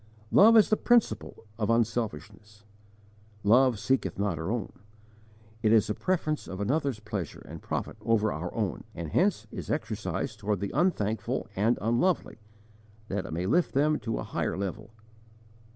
Love is the principle of unselfishness: love 'seeketh not her own'; it is the preference of another's pleasure and profit over our own, and hence is exercised toward the unthankful and unlovely, that it may lift them to a higher level.